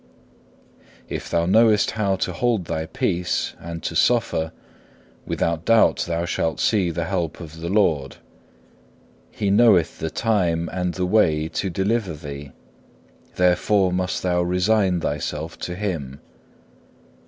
If thou knowest how to hold thy peace and to suffer, without doubt thou shalt see the help of the Lord. He knoweth the time and the way to deliver thee, therefore must thou resign thyself to Him.